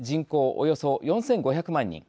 およそ４５００万人